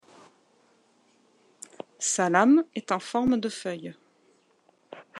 Sa lame est en forme de feuille.